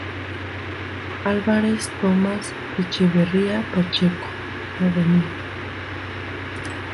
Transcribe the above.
Álvarez Thomas, Echeverría, Pacheco, Av.